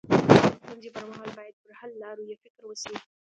د ستونزي پر مهال باید پر حل لارو يې فکر وسي.